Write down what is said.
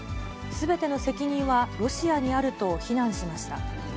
すべての責任はロシアにあると非難しました。